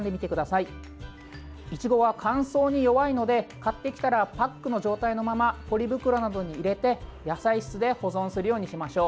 いちごは乾燥に弱いので買ってきたらパックの状態のままポリ袋などに入れて野菜室で保存するようにしましょう。